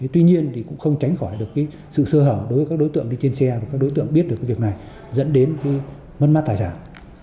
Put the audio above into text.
tuy nhiên cũng không tránh khỏi được sự sơ hở đối với các đối tượng đi trên xe và các đối tượng biết được cái việc này dẫn đến mất mát tài sản